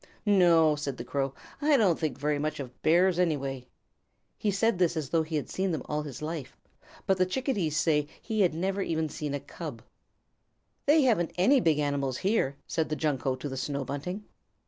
"No," said the Crow. "I don't think very much of Bears anyway." He said this as though he had seen them all his life, but the Chickadees say that he never saw even a Cub. "They haven't any big animals here," said the Junco to the Snow Bunting.